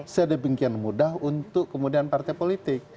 sedemikian mudah untuk kemudian partai politik